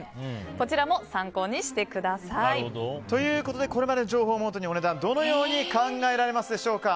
こちらも参考にしてください。ということでこれまでの情報をもとにどのように考えられますでしょうか。